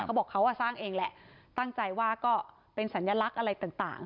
เขาบอกเขาสร้างเองแหละตั้งใจว่าก็เป็นสัญลักษณ์อะไรต่าง